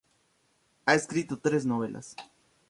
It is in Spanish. Ha escrito tres novelas.